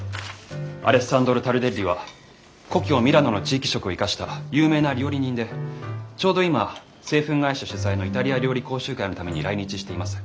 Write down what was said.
アレッサンドロ・タルデッリは故郷ミラノの地域色を生かした有名な料理人でちょうど今製粉会社主催のイタリア料理講習会のために来日しています。